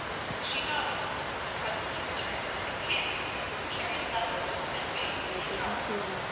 She nodded, and presently returned with a companion carrying leathers and paste in a jar.